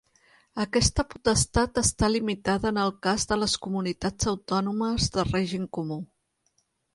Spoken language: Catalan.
Aquesta potestat està limitada en el cas de les comunitats autònomes de règim comú.